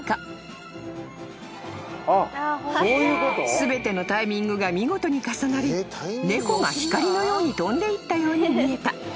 ［全てのタイミングが見事に重なり猫が光のように飛んでいったように見えた］